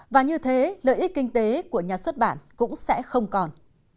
và như thế lợi ích kinh tế của nhà xuất bản cũng sẽ không còn